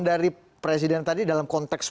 dari presiden tadi dalam konteks